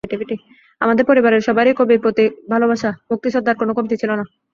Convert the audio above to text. আমাদের পরিবারের সবারই কবির প্রতি ভালোবাসা, ভক্তি-শ্রদ্ধার কোনো কমতি ছিল না।